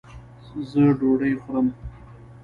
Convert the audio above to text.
ځه ډوډي خورم